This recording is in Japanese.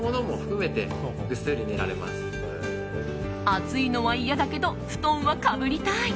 暑いのは嫌だけど布団はかぶりたい。